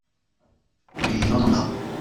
Mais elle entendra.